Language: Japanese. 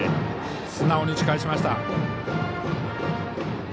素直に打ち返しました。